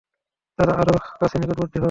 তার আরো কাছে নিকটবর্তী হও।